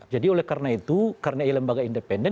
jadi karena itu karena lembaga independen